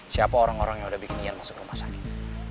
siapa orang orang yang udah bikin masuk rumah sakit